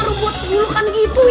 lagi cuma robot burukan gitu